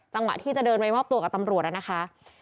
จังหวะที่จะเดินไปมอบตัวกับตำรวจนะคะ